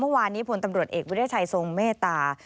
เมื่อวานนี้พลตำรวจเอกวิทยาชัยทรงเมตตา